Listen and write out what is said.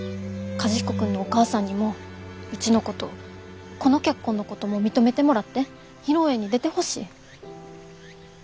和彦君のお母さんにもうちのことこの結婚のことも認めてもらって披露宴に出てほしい。